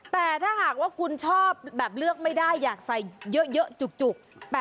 แต่ถ้าหากว่าคุณชอบแบบเลือกไม่ได้อยากใส่เยอะจุก